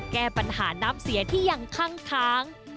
แก้ปัญหาน้ำเสียที่ยังคั่งค้าง